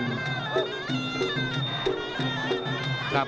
ขวาย่าน